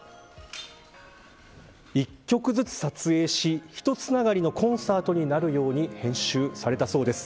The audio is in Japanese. １曲ずつ撮影しひとつながりのコンサートになるように編集されたそうです。